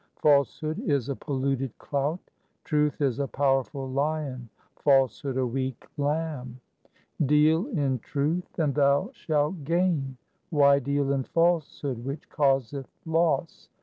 Falsehood is a polluted clout. Truth is a powerful lion, falsehood a weak lamb. Deal in truth and thou shalt gain. Why deal in falsehood which causeth loss ?